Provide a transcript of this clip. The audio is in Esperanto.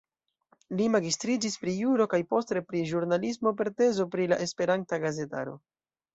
Li magistriĝis pri juro kaj poste pri ĵurnalismo per tezo pri la Esperanta gazetaro.